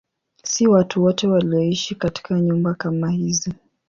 Si watu wote walioishi katika nyumba kama hizi.